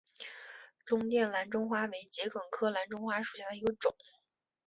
中甸蓝钟花为桔梗科蓝钟花属下的一个种。